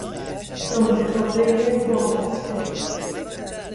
جمله وارهی وابسته